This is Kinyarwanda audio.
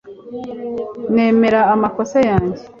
nemera amakosa yanjye